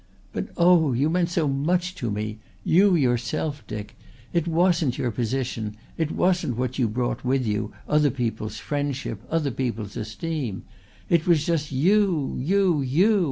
But oh! you meant so much to me you yourself, Dick. It wasn't your position. It wasn't what you brought with you, other people's friendship, other people's esteem. It was just you you you!